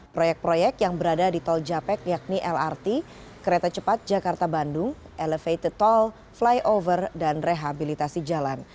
proyek proyek yang berada di tol japek yakni lrt kereta cepat jakarta bandung elevated toll flyover dan rehabilitasi jalan